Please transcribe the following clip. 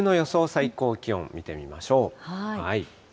最高気温見てみましょう。